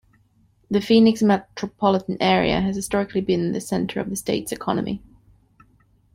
The Phoenix Metropolitan area has historically been the center of the state's economy.